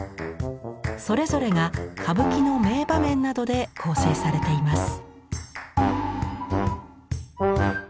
それぞれが歌舞伎の名場面などで構成されています。